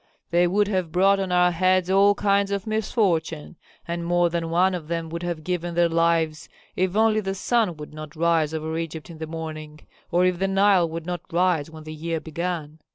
They would have brought on our heads all kinds of misfortune, and more than one of them would have given their lives if only the sun would not rise over Egypt in the morning, or if the Nile would not rise when the year began.